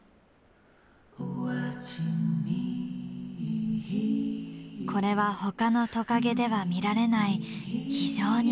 これはほかのトカゲでは見られない非常に珍しい習性だ。